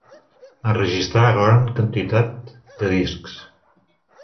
Enregistrà gran quantitat de discs.